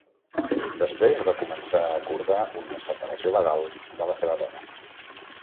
Després, va començar a acordar una separació legal de la seva dona.